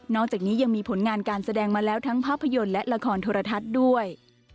อกจากนี้ยังมีผลงานการแสดงมาแล้วทั้งภาพยนตร์และละครโทรทัศน์ด้วย